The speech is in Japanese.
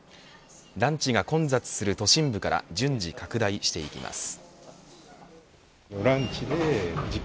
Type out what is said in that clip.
ランチが混雑する都心部から順次拡大していきます。